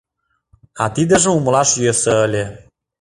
А тидыжым умылаш йӧсӧ ыле.